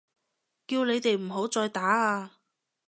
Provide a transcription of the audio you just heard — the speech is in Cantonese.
叫你哋唔好再打啊！